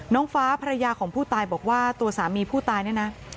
น้องฟ้าภรรยาของผู้ตายบอกว่าตัวสามีผู้ตายเนี่ยนะ